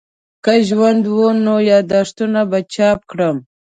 که ژوند وو نو یادښتونه به چاپ کړم.